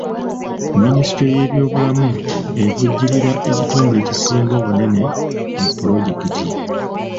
Minisitule y'ebyobulamu evujjirira ekitundu ekisinga obunene mu pulojekiti.